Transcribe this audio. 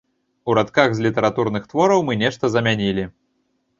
У радках з літаратурных твораў мы нешта замянілі.